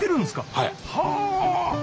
はい。